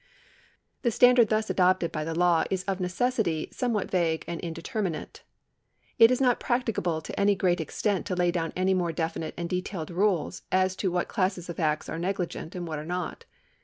Tile standard thus adopted by the law is of necessity some what vague and indeterminate. It is not practicable to any great extent to lay down any more definite and detailed rules as to what classes of acts are negligent and what are not.